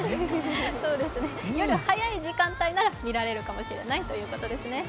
夜早い時間帯なら見られるかもしれないということですね。